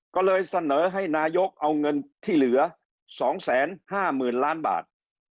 ก็เลยเสนอให้นายกเอาเงินที่เหลือ๒๕๐๐๐ล้านบาท